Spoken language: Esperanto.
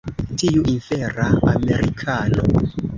Tiu infera Amerikano!